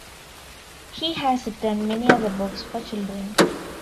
He has written many other books for children.